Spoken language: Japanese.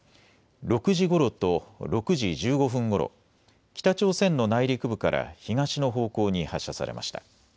６時ごろと６時１５分ごろ、北朝鮮の内陸部から東の方向に発射されました。